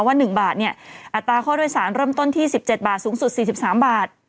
ว่าหนึ่งบาทเนี่ยอัตราข้อโดยสารเริ่มต้นที่สิบเจ็ดบาทสูงสุดสี่สิบสามบาท